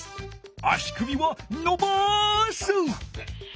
足首はのばす！